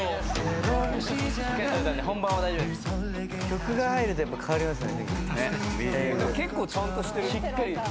曲が入るとやっぱ変わりますね。